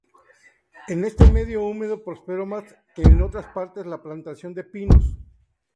En este medio húmedo prosperó más que en otras parte la plantación de pinos.